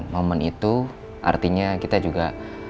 momen itu artinya kita juga